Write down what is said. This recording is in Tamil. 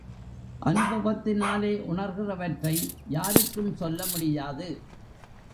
அநுபவத்தினாலே உணர்கிறவற்றை யாருக்கும் சொல்ல முடியாது.